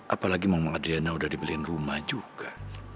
apalagi mama adriana udah dibeliin rumah juga